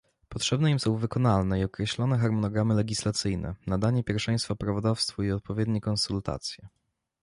Potrzebne im są wykonalne i określone harmonogramy legislacyjne, nadanie pierwszeństwa prawodawstwu i odpowiednie konsultacje